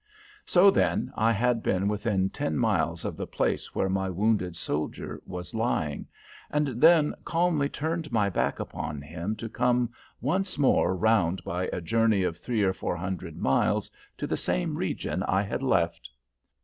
So, then, I had been within ten miles of the place where my wounded soldier was lying, and then calmly turned my back upon him to come once more round by a journey of three or four hundred miles to the same region I had left!